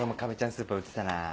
スーパー売ってたな。